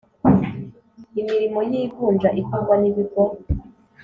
Imirimo y ivunja ikorwa n ibigo